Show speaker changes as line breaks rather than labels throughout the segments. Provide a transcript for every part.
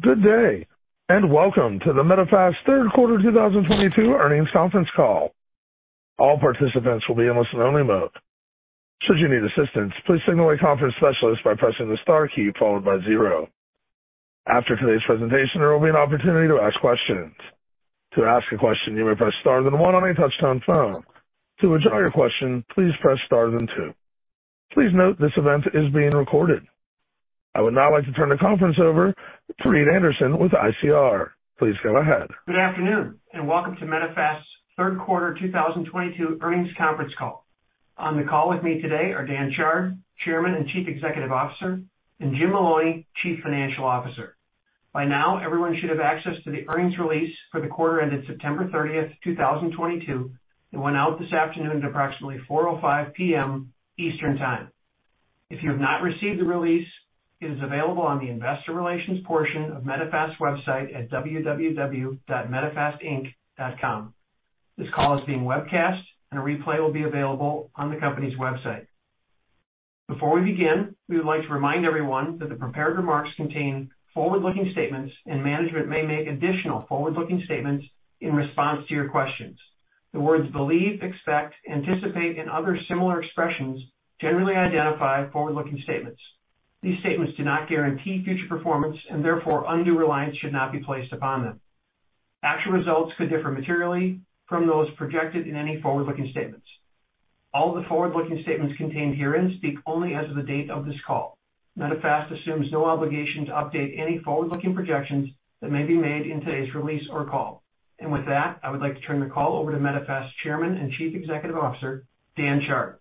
Good day, and welcome to the Medifast third quarter 2022 earnings conference call. All participants will be in listen-only mode. Should you need assistance, please signal a conference specialist by pressing the star key followed by zero. After today's presentation, there will be an opportunity to ask questions. To ask a question, you may press Star then one on a touch-tone phone. To withdraw your question, please press Star then two. Please note this event is being recorded. I would now like to turn the conference over to Reed Anderson with ICR. Please go ahead.
Good afternoon, and welcome to Medifast's third quarter 2022 earnings conference call. On the call with me today are Dan Chard, Chairman and Chief Executive Officer, and Jim Maloney, Chief Financial Officer. By now, everyone should have access to the earnings release for the quarter ended September 30, 2022. It went out this afternoon at approximately 4:05 P.M. Eastern Time. If you have not received the release, it is available on the investor relations portion of Medifast website at www.medifastinc.com. This call is being webcast and a replay will be available on the company's website. Before we begin, we would like to remind everyone that the prepared remarks contain forward-looking statements, and management may make additional forward-looking statements in response to your questions. The words believe, expect, anticipate, and other similar expressions generally identify forward-looking statements. These statements do not guarantee future performance and therefore undue reliance should not be placed upon them. Actual results could differ materially from those projected in any forward-looking statements. All the forward-looking statements contained herein speak only as of the date of this call. Medifast assumes no obligation to update any forward-looking projections that may be made in today's release or call. With that, I would like to turn the call over to Medifast Chairman and Chief Executive Officer, Dan Chard.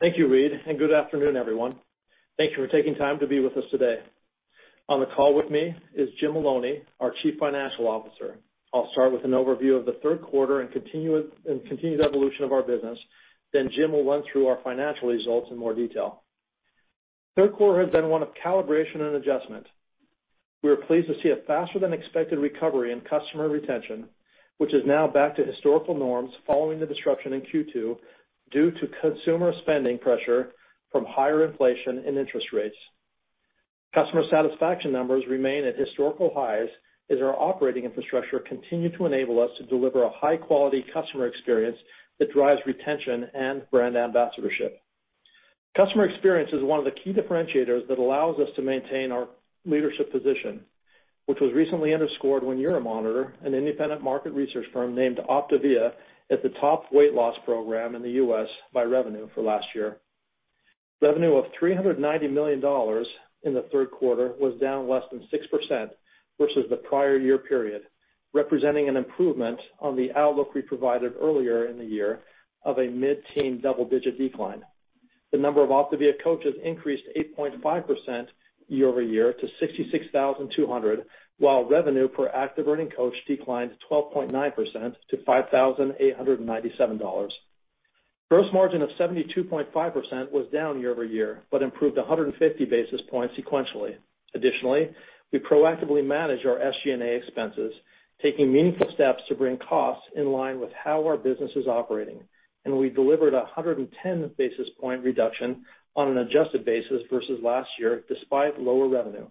Thank you, Reed, and good afternoon, everyone. Thank you for taking time to be with us today. On the call with me is Jim Maloney, our Chief Financial Officer. I'll start with an overview of the third quarter and continued evolution of our business, then Jim will run through our financial results in more detail. Third quarter has been one of calibration and adjustment. We are pleased to see a faster than expected recovery in customer retention, which is now back to historical norms following the disruption in Q2 due to consumer spending pressure from higher inflation and interest rates. Customer satisfaction numbers remain at historical highs as our operating infrastructure continue to enable us to deliver a high-quality customer experience that drives retention and brand ambassadorship. Customer experience is one of the key differentiators that allows us to maintain our leadership position, which was recently underscored when Euromonitor, an independent market research firm, named OPTAVIA as the top weight loss program in the U.S. by revenue for last year. Revenue of $390 million in the third quarter was down less than 6% versus the prior year period, representing an improvement on the outlook we provided earlier in the year of a mid-teen double-digit decline. The number of OPTAVIA coaches increased 8.5% year-over-year to 66,200, while revenue per active earning coach declined 12.9% to $5,897. Gross margin of 72.5% was down year-over-year, but improved 150 basis points sequentially. Additionally, we proactively manage our SG&A expenses, taking meaningful steps to bring costs in line with how our business is operating. We delivered a 110 basis point reduction on an adjusted basis versus last year, despite lower revenue.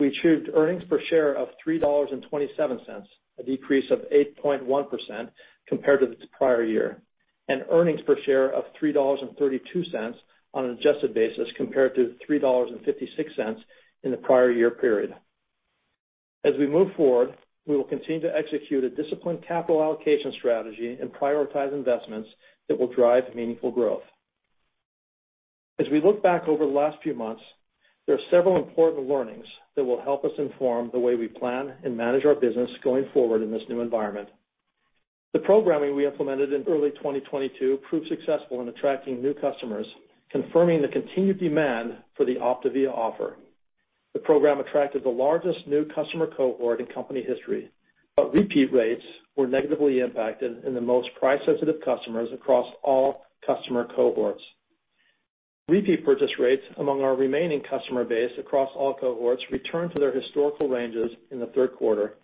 We achieved earnings per share of $3.27, a decrease of 8.1% compared to its prior year, and earnings per share of $3.32 on an adjusted basis compared to $3.56 in the prior year period. As we move forward, we will continue to execute a disciplined capital allocation strategy and prioritize investments that will drive meaningful growth. As we look back over the last few months, there are several important learnings that will help us inform the way we plan and manage our business going forward in this new environment. The programming we implemented in early 2022 proved successful in attracting new customers, confirming the continued demand for the OPTAVIA offer. The program attracted the largest new customer cohort in company history, but repeat rates were negatively impacted in the most price-sensitive customers across all customer cohorts. Repeat purchase rates among our remaining customer base across all cohorts returned to their historical ranges in the third quarter,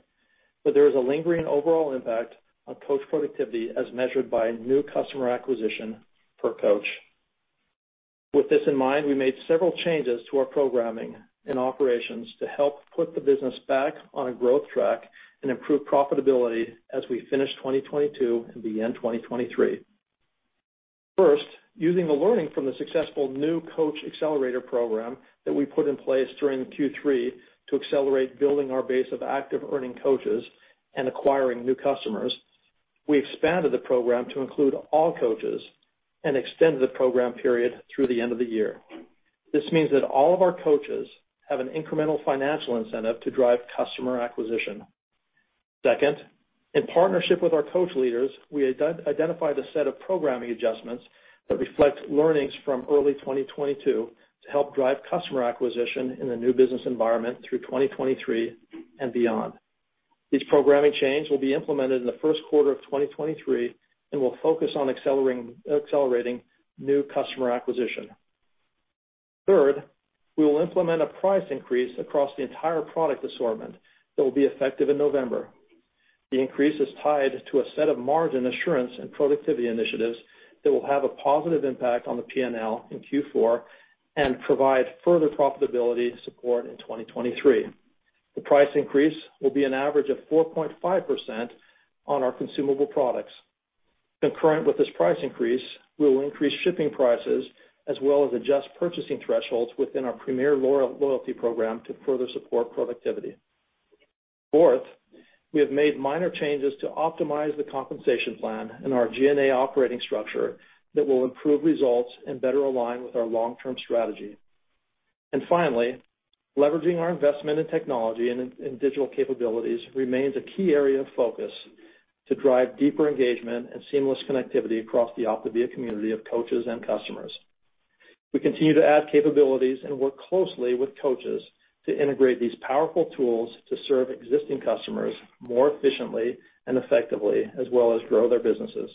but there is a lingering overall impact on coach productivity as measured by new customer acquisition per coach. With this in mind, we made several changes to our programming and operations to help put the business back on a growth track and improve profitability as we finish 2022 and begin 2023. First, using the learning from the successful new coach accelerator program that we put in place during Q3 to accelerate building our base of active earning coaches and acquiring new customers, we expanded the program to include all coaches and extended the program period through the end of the year. This means that all of our coaches have an incremental financial incentive to drive customer acquisition. Second, in partnership with our coach leaders, we identified a set of programming adjustments that reflect learnings from early 2022 to help drive customer acquisition in the new business environment through 2023 and beyond. These programming changes will be implemented in the first quarter of 2023 and will focus on accelerating new customer acquisition. Third, we will implement a price increase across the entire product assortment that will be effective in November. The increase is tied to a set of margin assurance and productivity initiatives that will have a positive impact on the P&L in Q4, and provide further profitability support in 2023. The price increase will be an average of 4.5% on our consumable products. Concurrent with this price increase, we will increase shipping prices as well as adjust purchasing thresholds within our Premier loyalty program to further support productivity. Fourth, we have made minor changes to optimize the compensation plan in our G&A operating structure that will improve results and better align with our long-term strategy. Finally, leveraging our investment in technology and in digital capabilities remains a key area of focus to drive deeper engagement and seamless connectivity across the OPTAVIA community of coaches and customers. We continue to add capabilities and work closely with coaches to integrate these powerful tools to serve existing customers more efficiently and effectively as well as grow their businesses.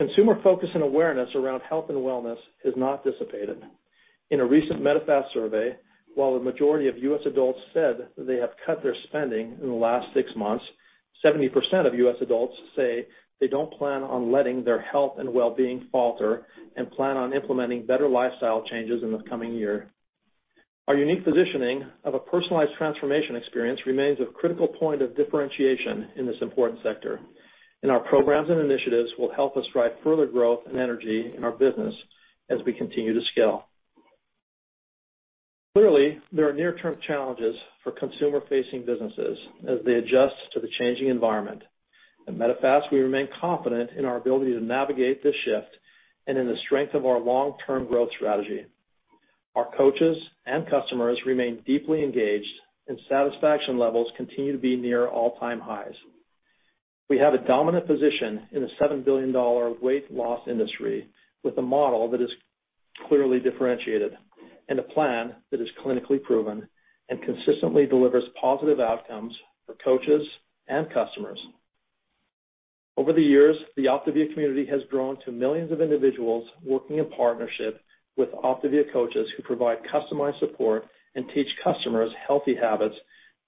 Consumer focus and awareness around health and wellness has not dissipated. In a recent Medifast survey, while the majority of U.S. adults said that they have cut their spending in the last six months, 70% of U.S. adults say they don't plan on letting their health and well-being falter, and plan on implementing better lifestyle changes in the coming year. Our unique positioning of a personalized transformation experience remains a critical point of differentiation in this important sector. Our programs and initiatives will help us drive further growth and energy in our business as we continue to scale. Clearly, there are near-term challenges for consumer-facing businesses as they adjust to the changing environment. At Medifast, we remain confident in our ability to navigate this shift and in the strength of our long-term growth strategy. Our coaches and customers remain deeply engaged, and satisfaction levels continue to be near all-time highs. We have a dominant position in the $7 billion weight loss industry, with a model that is clearly differentiated, and a plan that is clinically proven and consistently delivers positive outcomes for coaches and customers. Over the years, the OPTAVIA community has grown to millions of individuals working in partnership with OPTAVIA coaches who provide customized support and teach customers healthy habits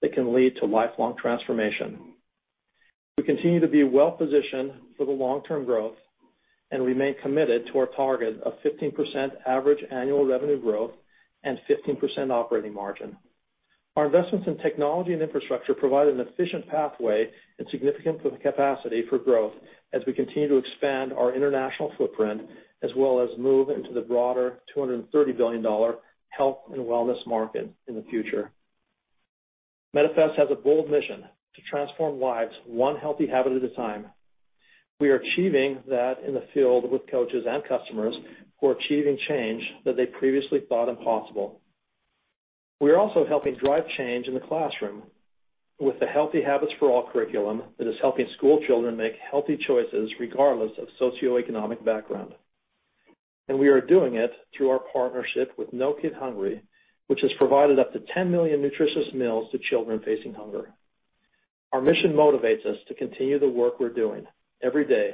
that can lead to lifelong transformation. We continue to be well-positioned for the long-term growth and remain committed to our target of 15% average annual revenue growth and 15% operating margin. Our investments in technology and infrastructure provide an efficient pathway and significant capacity for growth as we continue to expand our international footprint, as well as move into the broader $230 billion health and wellness market in the future. Medifast has a bold mission to transform lives one healthy habit at a time. We are achieving that in the field with coaches and customers who are achieving change that they previously thought impossible. We are also helping drive change in the classroom with the Healthy Habits For All curriculum that is helping school children make healthy choices regardless of socioeconomic background. We are doing it through our partnership with No Kid Hungry, which has provided up to 10 million nutritious meals to children facing hunger. Our mission motivates us to continue the work we're doing every day,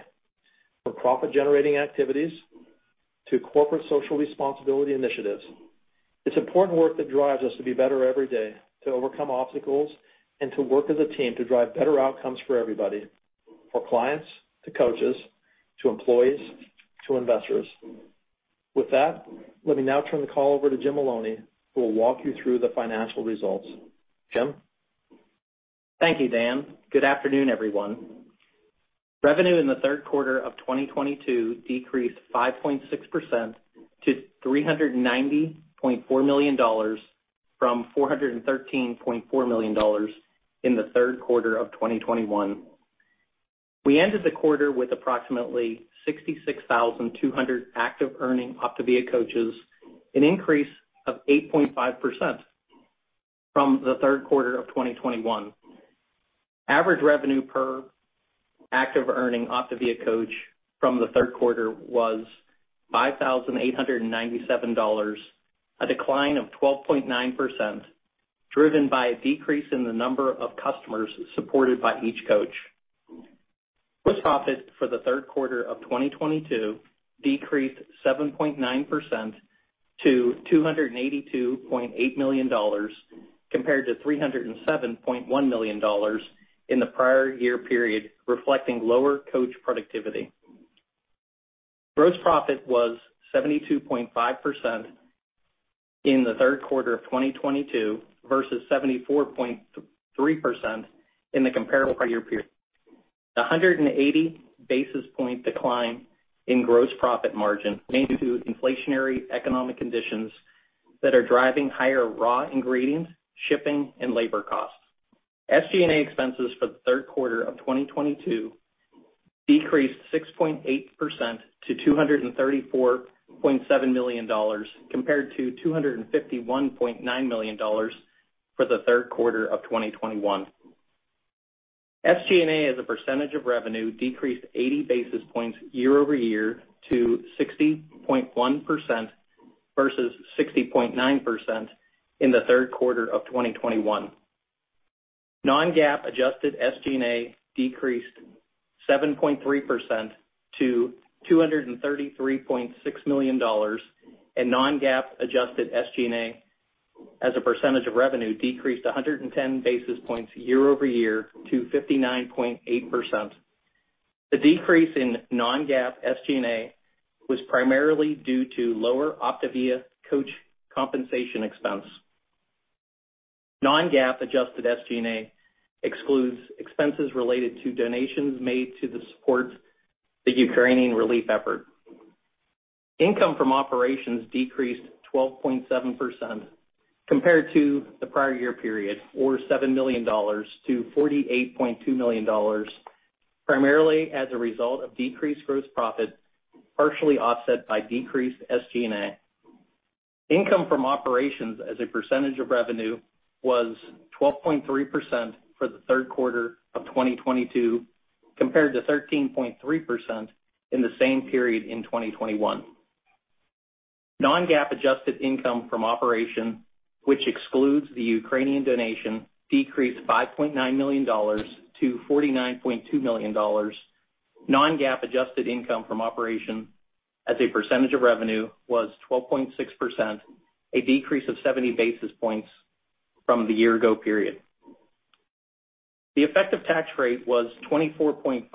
from profit-generating activities to corporate social responsibility initiatives. It's important work that drives us to be better every day, to overcome obstacles, and to work as a team to drive better outcomes for everybody, for clients, to coaches, to employees, to investors. With that, let me now turn the call over to Jim Maloney, who will walk you through the financial results. Jim?
Thank you, Dan. Good afternoon, everyone. Revenue in the third quarter of 2022 decreased 5.6% to $390.4 million from $413.4 million in the third quarter of 2021. We ended the quarter with approximately 66,200 active earning OPTAVIA coaches, an increase of 8.5% from the third quarter of 2021. Average revenue per active earning OPTAVIA coach from the third quarter was $5,897, a decline of 12.9%, driven by a decrease in the number of customers supported by each coach. Gross profit for the third quarter of 2022 decreased 7.9% to $282.8 million compared to $307.1 million in the prior year period, reflecting lower coach productivity. Gross profit was 72.5% in the third quarter of 2022 versus 74.3% in the comparable prior year period. The 180 basis point decline in gross profit margin due to inflationary economic conditions that are driving higher raw ingredients, shipping and labor costs. SG&A expenses for the third quarter of 2022 decreased 6.8% to $234.7 million compared to $251.9 million for the third quarter of 2021. SG&A, as a percentage of revenue, decreased 80 basis points year-over-year to 60.1% versus 60.9% in the third quarter of 2021. Non-GAAP adjusted SG&A decreased 7.3% to $233.6 million and non-GAAP adjusted SG&A as a percentage of revenue decreased 110 basis points year-over-year to 59.8%. The decrease in non-GAAP SG&A was primarily due to lower OPTAVIA coach compensation expense. Non-GAAP adjusted SG&A excludes expenses related to donations made to support the Ukrainian relief effort. Income from operations decreased 12.7% compared to the prior year period, or $7 million to $48.2 million, primarily as a result of decreased gross profit, partially offset by decreased SG&A. Income from operations as a percentage of revenue was 12.3% for the third quarter of 2022, compared to 13.3% in the same period in 2021. Non-GAAP adjusted income from operations, which excludes the Ukrainian donation, decreased $5.9 million to $49.2 million. Non-GAAP adjusted income from operations as a percentage of revenue was 12.6%, a decrease of 70 basis points from the year ago period. The effective tax rate was 24.5%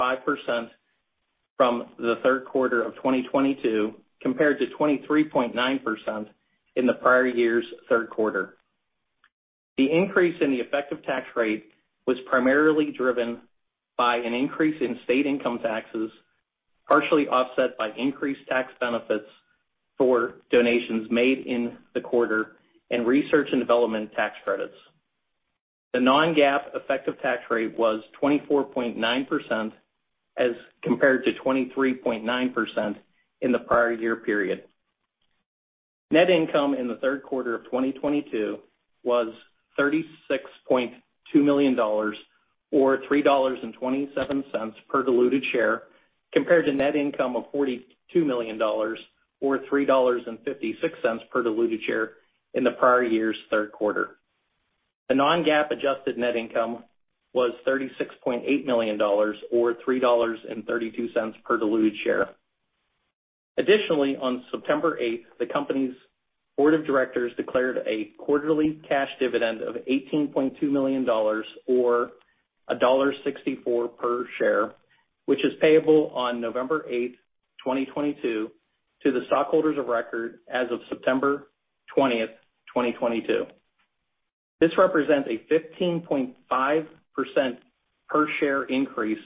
from the third quarter of 2022, compared to 23.9% in the prior year's third quarter. The increase in the effective tax rate was primarily driven by an increase in state income taxes, partially offset by increased tax benefits for donations made in the quarter and research and development tax credits. The non-GAAP effective tax rate was 24.9% as compared to 23.9% in the prior year period. Net income in the third quarter of 2022 was $36.2 million or $3.27 per diluted share, compared to net income of $42 million or $3.56 per diluted share in the prior year's third quarter. The non-GAAP adjusted net income was $36.8 million or $3.32 per diluted share. Additionally, on September 8, the company's board of directors declared a quarterly cash dividend of $18.2 million or $1.64 per share, which is payable on November 8, 2022, to the stockholders of record as of September 20, 2022. This represents a 15.5% per share increase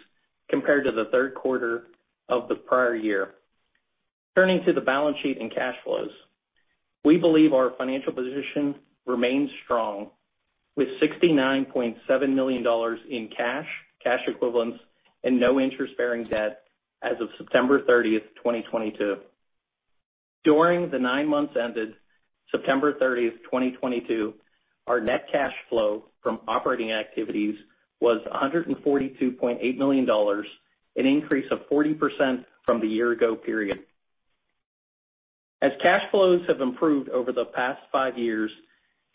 compared to the third quarter of the prior year. Turning to the balance sheet and cash flows, we believe our financial position remains strong with $69.7 million in cash equivalents and no interest-bearing debt as of September 30, 2022. During the nine months ended September 30, 2022, our net cash flow from operating activities was $142.8 million, an increase of 40% from the year ago period. Cash flows have improved over the past five years,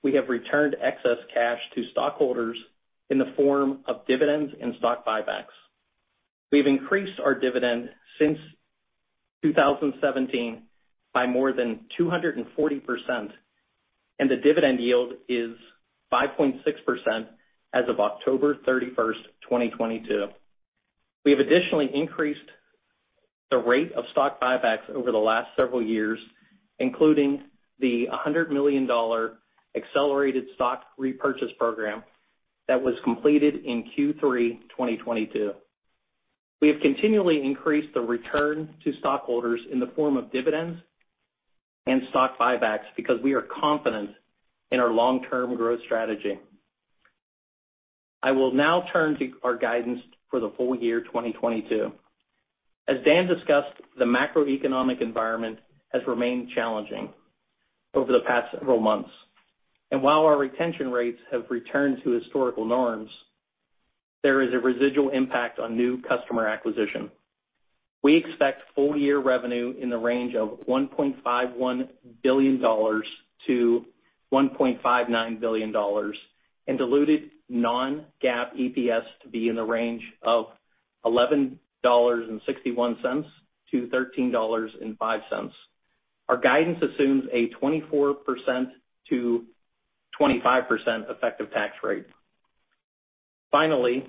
we have returned excess cash to stockholders in the form of dividends and stock buybacks. We've increased our dividend since 2017 by more than 240%, and the dividend yield is 5.6% as of October 31, 2022. We have additionally increased the rate of stock buybacks over the last several years, including the $100 million accelerated stock repurchase program that was completed in Q3 2022. We have continually increased the return to stockholders in the form of dividends and stock buybacks because we are confident in our long-term growth strategy. I will now turn to our guidance for the full year 2022. As Dan discussed, the macroeconomic environment has remained challenging over the past several months, and while our retention rates have returned to historical norms, there is a residual impact on new customer acquisition. We expect full year revenue in the range of $1.51 billion-$1.59 billion and diluted non-GAAP EPS to be in the range of $11.61-$13.05. Our guidance assumes a 24%-25% effective tax rate. Finally,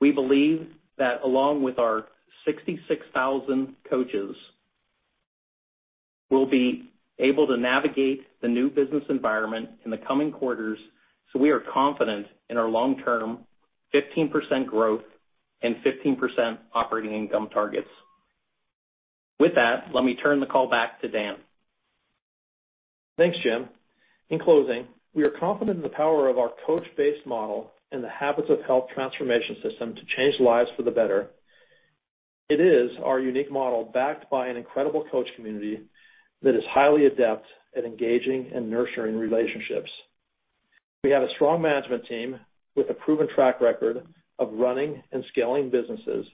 we believe that along with our 66,000 coaches, we'll be able to navigate the new business environment in the coming quarters, so we are confident in our long-term 15% growth and 15% operating income targets. With that, let me turn the call back to Dan.
Thanks, Jim. In closing, we are confident in the power of our coach-based model and the Habits of Health Transformation System to change lives for the better. It is our unique model backed by an incredible coach community that is highly adept at engaging and nurturing relationships. We have a strong management team with a proven track record of running and scaling businesses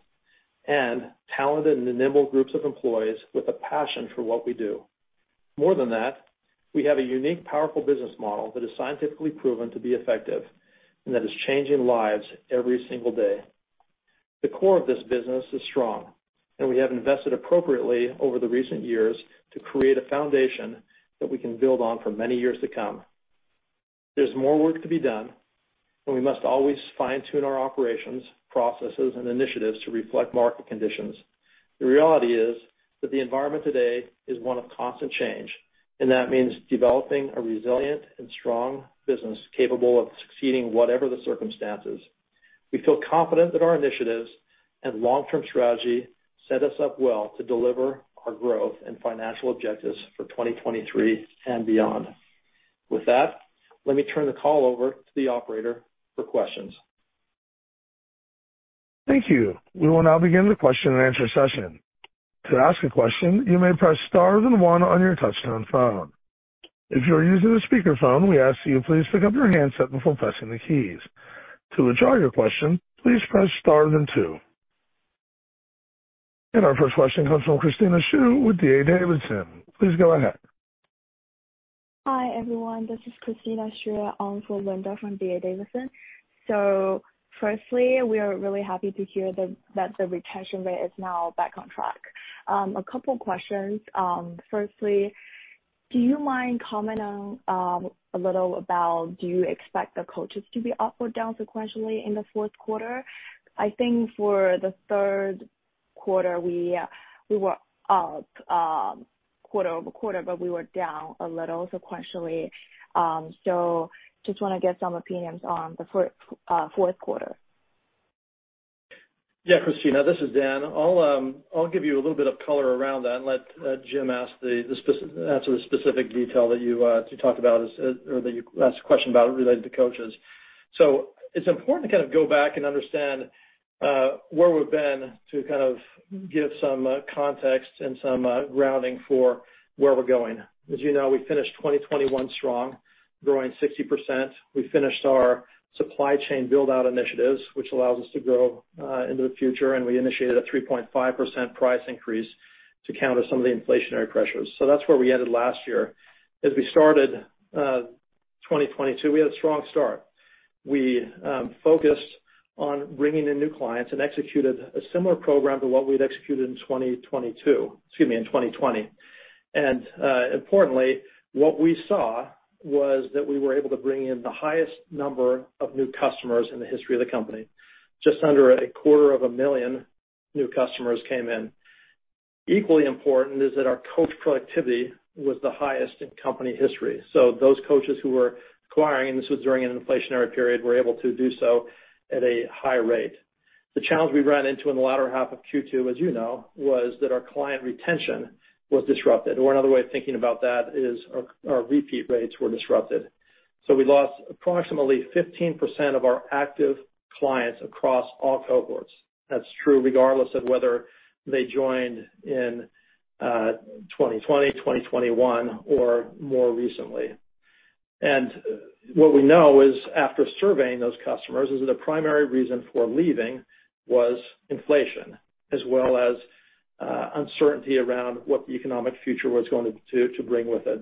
and talented and nimble groups of employees with a passion for what we do. More than that, we have a unique, powerful business model that is scientifically proven to be effective and that is changing lives every single day. The core of this business is strong, and we have invested appropriately over the recent years to create a foundation that we can build on for many years to come. There's more work to be done, and we must always fine-tune our operations, processes, and initiatives to reflect market conditions. The reality is that the environment today is one of constant change, and that means developing a resilient and strong business capable of succeeding whatever the circumstances. We feel confident that our initiatives and long-term strategy set us up well to deliver our growth and financial objectives for 2023 and beyond. With that, let me turn the call over to the operator for questions.
Thank you. We will now begin the question-and-answer session. To ask a question, you may press Star then one on your touch-tone phone. If you are using a speakerphone, we ask that you please pick up your handset before pressing the keys. To withdraw your question, please press Star then two. Our first question comes from Christina Xu with D.A. Davidson. Please go ahead.
Hi, everyone. This is Christina Xu on for Linda from D.A. Davidson. Firstly, we are really happy to hear that the retention rate is now back on track. A couple of questions. Firstly, do you mind commenting a little about do you expect the coaches to be up or down sequentially in the fourth quarter? I think for the third quarter, we were up quarter-over-quarter, but we were down a little sequentially. Just wanna get some opinions on the fourth quarter.
Yeah, Christina, this is Dan. I'll give you a little bit of color around that and let Jim answer the specific detail that you want to talk about or that you asked a question about related to coaches. It's important to kind of go back and understand where we've been to kind of give some context and some grounding for where we're going. As you know, we finished 2021 strong, growing 60%. We finished our supply chain build-out initiatives, which allows us to grow into the future, and we initiated a 3.5% price increase to counter some of the inflationary pressures. That's where we ended last year. As we started 2022, we had a strong start. We focused on bringing in new clients and executed a similar program to what we'd executed in 2020. Importantly, what we saw was that we were able to bring in the highest number of new customers in the history of the company. Just under a quarter of a million new customers came in. Equally important is that our coach productivity was the highest in company history. Those coaches who were acquiring, this was during an inflationary period, were able to do so at a high rate. The challenge we ran into in the latter half of Q2, as you know, was that our client retention was disrupted, or another way of thinking about that is our repeat rates were disrupted. We lost approximately 15% of our active clients across all cohorts. That's true regardless of whether they joined in 2020, 2021 or more recently. What we know is, after surveying those customers, is that the primary reason for leaving was inflation, as well as uncertainty around what the economic future was going to bring with it.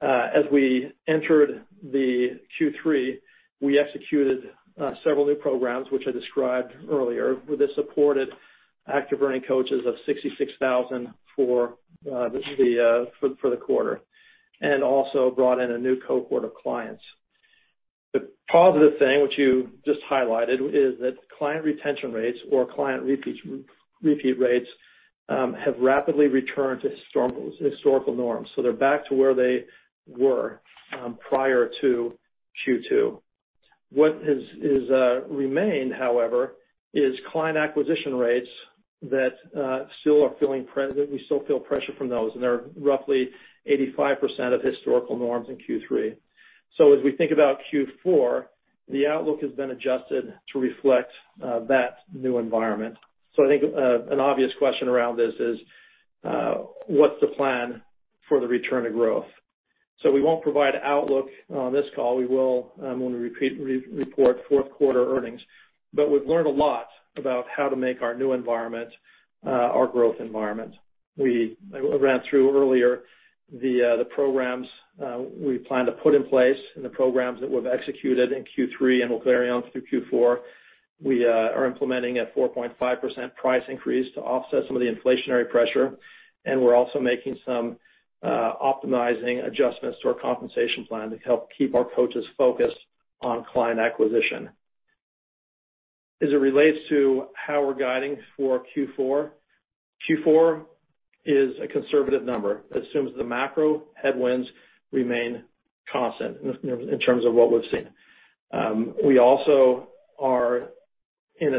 As we entered the Q3, we executed several new programs, which I described earlier. With this supported active earning coaches of 66,000 for the quarter, and also brought in a new cohort of clients. The positive thing, which you just highlighted, is that client retention rates or client repeat rates have rapidly returned to historical norms. They're back to where they were prior to Q2. What has remained, however, is client acquisition rates that still are feeling present. We still feel pressure from those, and they're roughly 85% of historical norms in Q3. As we think about Q4, the outlook has been adjusted to reflect that new environment. I think an obvious question around this is what's the plan for the return of growth? We won't provide outlook on this call. We will when we re-report fourth quarter earnings. We've learned a lot about how to make our new environment our growth environment. We ran through earlier the programs we plan to put in place and the programs that we've executed in Q3 and will carry on through Q4. We are implementing a 4.5% price increase to offset some of the inflationary pressure. We're also making some optimizing adjustments to our compensation plan to help keep our coaches focused on client acquisition. As it relates to how we're guiding for Q4 is a conservative number. Assumes the macro headwinds remain constant in terms of what we've seen. We also are in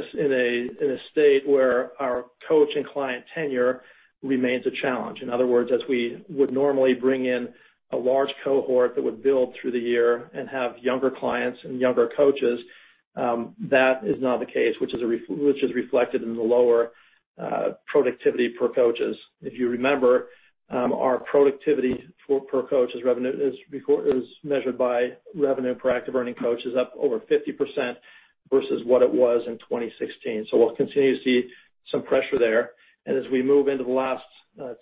a state where our coach and client tenure remains a challenge. In other words, as we would normally bring in a large cohort that would build through the year and have younger clients and younger coaches, that is not the case, which is reflected in the lower productivity per coaches. If you remember, our productivity per coach is measured by revenue per active earning coach is up over 50%. Versus what it was in 2016. We'll continue to see some pressure there. As we move into the last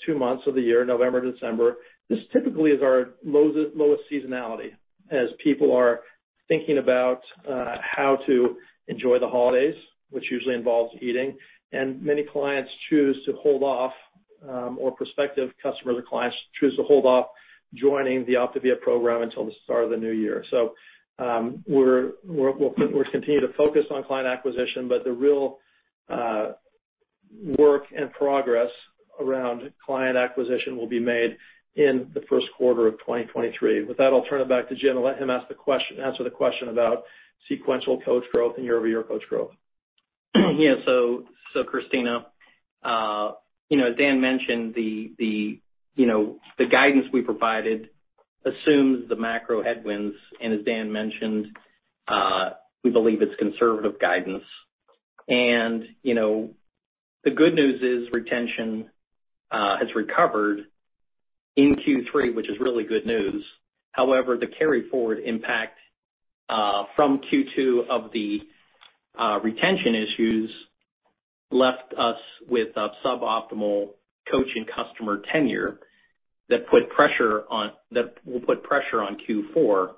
two months of the year, November, December, this typically is our lowest seasonality as people are thinking about how to enjoy the holidays, which usually involves eating. Many clients choose to hold off, or prospective customers or clients choose to hold off joining the OPTAVIA program until the start of the new year. We'll continue to focus on client acquisition, but the real work and progress around client acquisition will be made in the first quarter of 2023. With that, I'll turn it back to Jim and let him answer the question about sequential coach growth and year-over-year coach growth.
Yeah. Christina, Dan mentioned the guidance we provided assumes the macro headwinds. As Dan mentioned, we believe it's conservative guidance. The good news is retention has recovered in Q3, which is really good news. However, the carry forward impact from Q2 of the retention issues left us with a suboptimal coach and customer tenure that will put pressure on Q4.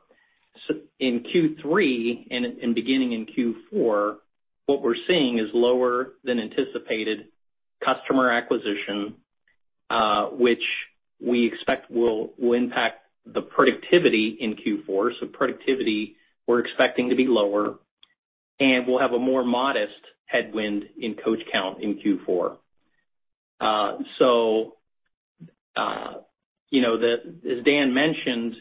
In Q3 and beginning in Q4, what we're seeing is lower than anticipated customer acquisition, which we expect will impact the productivity in Q4. Productivity, we're expecting to be lower, and we'll have a more modest headwind in coach count in Q4. As Dan mentioned,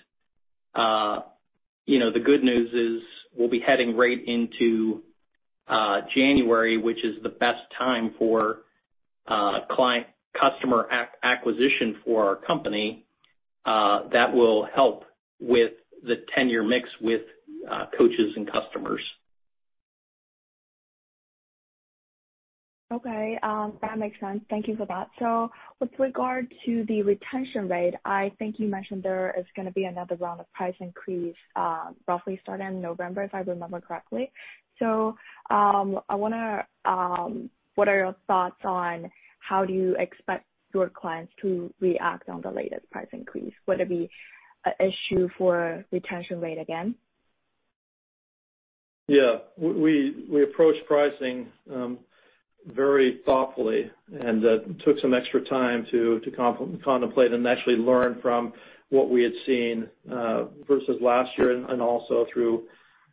you know, the good news is we'll be heading right into January, which is the best time for client customer acquisition for our company, that will help with the tenure mix with coaches and customers.
Okay, that makes sense. Thank you for that. With regard to the retention rate, I think you mentioned there is gonna be another round of price increase, roughly starting in November, if I remember correctly. What are your thoughts on how do you expect your clients to react on the latest price increase? Would it be a issue for retention rate again?
Yeah. We approach pricing very thoughtfully and took some extra time to contemplate and actually learn from what we had seen versus last year and also through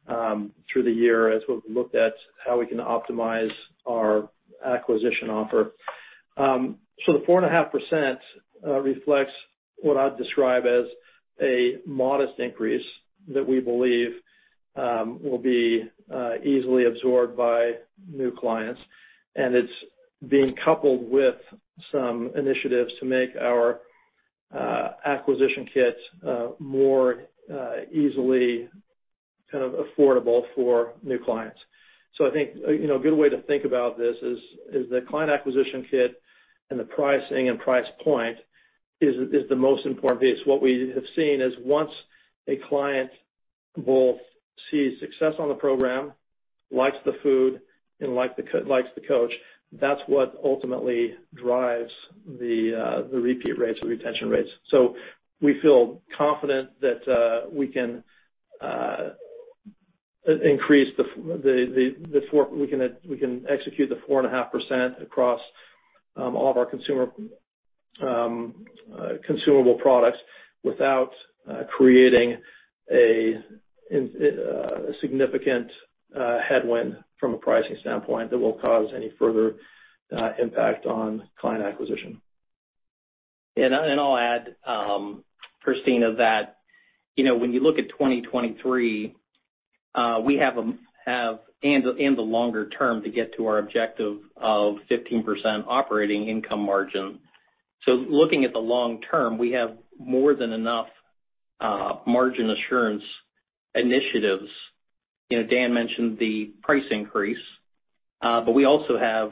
the year as we've looked at how we can optimize our acquisition offer. The 4.5% reflects what I'd describe as a modest increase that we believe will be easily absorbed by new clients. It's being coupled with some initiatives to make our acquisition kits more easily kind of affordable for new clients. I think, you know, a good way to think about this is the client acquisition kit and the pricing and price point is the most important piece. What we have seen is once a client both sees success on the program, likes the food, and likes the coach, that's what ultimately drives the repeat rates, the retention rates. We feel confident that we can increase the 4.5% across all of our consumer consumable products without creating a significant headwind from a pricing standpoint that will cause any further impact on client acquisition.
I'll add, Christina, that, you know, when you look at 2023, we have, and the longer term to get to our objective of 15% operating income margin. Looking at the long term, we have more than enough margin assurance initiatives. You know, Dan mentioned the price increase, but we also have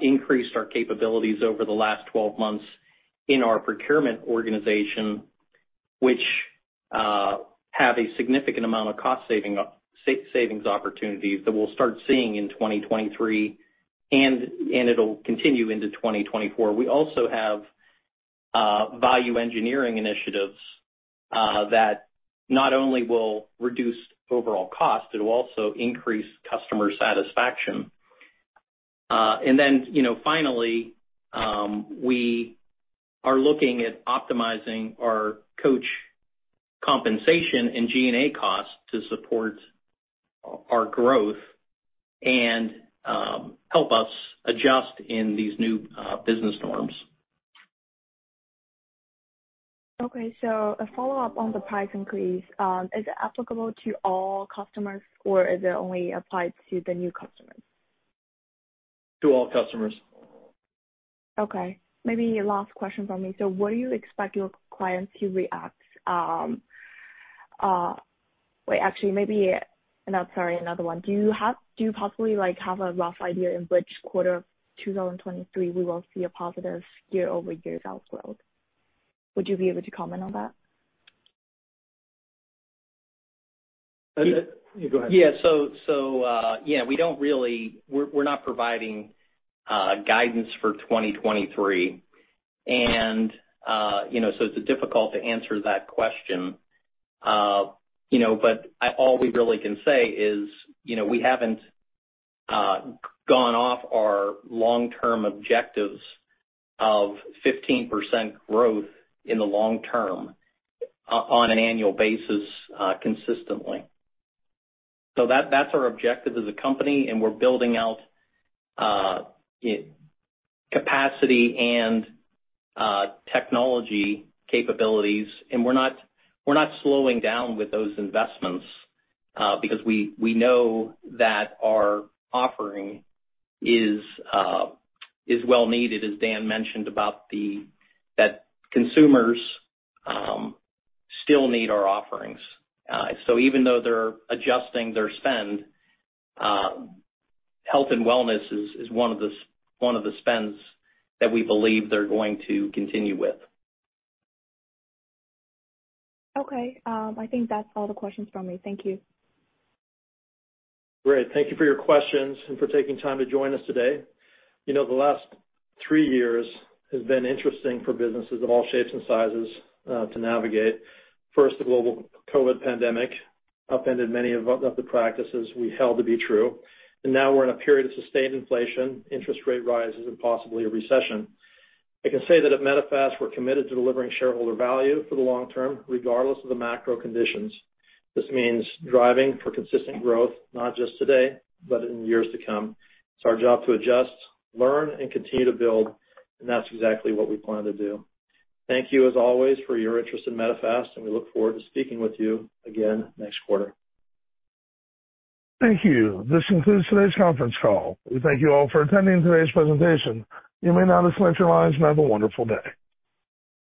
increased our capabilities over the last 12 months in our procurement organization, which have a significant amount of cost savings opportunities that we'll start seeing in 2023, and it'll continue into 2024. We also have value engineering initiatives that not only will reduce overall cost, it'll also increase customer satisfaction. you know, finally, we are looking at optimizing our coach compensation and G&A costs to support our growth and help us adjust in these new business norms.
Okay. A follow-up on the price increase. Is it applicable to all customers or is it only applied to the new customers?
To all customers.
Okay. Maybe last question from me. Do you possibly, like, have a rough idea in which quarter of 2023 we will see a positive year-over-year growth? Would you be able to comment on that?
We're not providing guidance for 2023. You know, it's difficult to answer that question. You know, all we really can say is, you know, we haven't gone off our long-term objectives of 15% growth in the long term on an annual basis, consistently. That's our objective as a company, and we're building out capacity and technology capabilities. We're not slowing down with those investments because we know that our offering is well needed, as Dan mentioned that consumers still need our offerings. Even though they're adjusting their spend, health and wellness is one of the spends that we believe they're going to continue with.
Okay. I think that's all the questions from me. Thank you.
Great. Thank you for your questions and for taking time to join us today. You know, the last three years has been interesting for businesses of all shapes and sizes, to navigate. First, the global COVID pandemic upended many of the practices we held to be true, and now we're in a period of sustained inflation, interest rate rises, and possibly a recession. I can say that at Medifast, we're committed to delivering shareholder value for the long term, regardless of the macro conditions. This means driving for consistent growth, not just today, but in years to come. It's our job to adjust, learn, and continue to build, and that's exactly what we plan to do. Thank you as always, for your interest in Medifast, and we look forward to speaking with you again next quarter.
Thank you. This concludes today's conference call. We thank you all for attending today's presentation. You may now disconnect your lines and have a wonderful day.